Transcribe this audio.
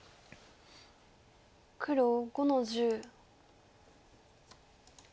黒５の十。